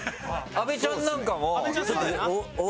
安部ちゃんなんかも。